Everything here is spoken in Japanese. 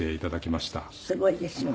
すごいですよね。